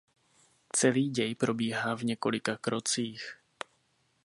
Celý děj probíhá v několika krocích.